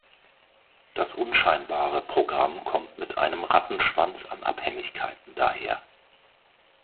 Das unscheinbare Programm kommt mit einem Rattenschwanz an Abhängigkeiten daher.